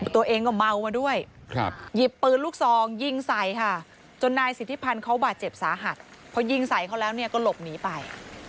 ตัวเองก็เมามาด้วยหยิบปืนลูกซองยิงใส่ค่ะจนนายสิทธิพันธ์เขาบาดเจ็บสาหัสพอยิงใส่เขาแล้วเนี่ยก็หลบหนีไป